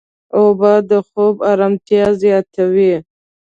اوبه د خوب ارامتیا زیاتوي.